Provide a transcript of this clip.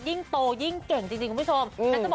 ยิ่งโตยิ่งเก่งจริงคุณผู้ชม